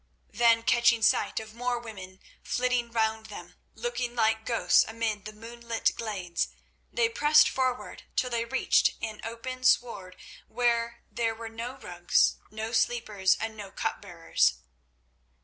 Then, catching sight of more women flitting round them, looking like ghosts amid the moonlit glades, they pressed forward till they reached an open sward where there were no rugs, no sleepers, and no cupbearers.